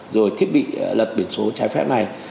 rồi thiết bị lật biển số trái phép này